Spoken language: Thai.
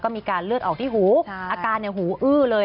มีการเลือดออกที่หูอาการหูอื้อเลย